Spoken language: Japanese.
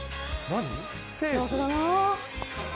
何？